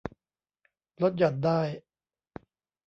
ลดหย่อนได้